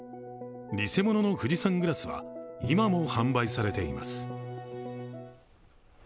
偽物の富士山グラスは今も販売されています。